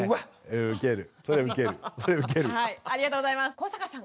古坂さん